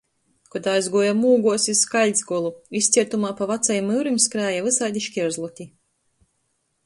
Kod aizguojom ūguos iz Kaļtsgolu, izciertumā pa vacajim myurim skrēja vysaidi škierzloti.